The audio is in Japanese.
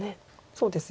そうですね。